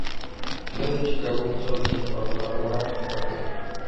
Luego de Chicago, hizo audición para una obra infantil.